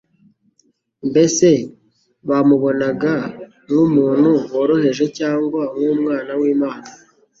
mbese bamubonaga nk'umuntu woroheje cyangwa nk'Umwana w'Imana '?